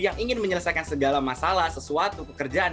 yang ingin menyelesaikan segala masalah sesuatu pekerjaan